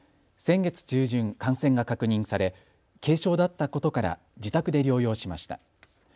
先月中旬、感染が確認され軽症だったことから自宅で療養しました。